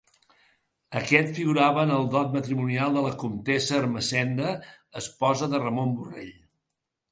Aquest figurava en el dot matrimonial de la comtessa Ermessenda, esposa de Ramon Borrell.